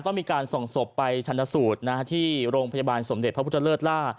ต้องมีการส่งศพไปชันสูตรที่โรงพยาบาลสมเด็จพระพุทธเลิศล่า